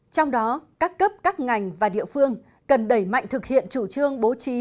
trong đó các cấp các ngành và địa phương cần đẩy mạnh thực hiện chủ trương bố trí